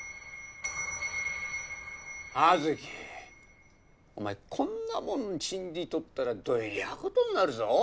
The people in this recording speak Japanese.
葉月お前こんなもん信じとったらどえりゃあことになるぞ。